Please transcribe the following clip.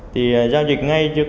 thì giao dịch ngay trước